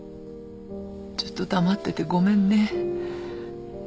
ずっと黙っててごめんね。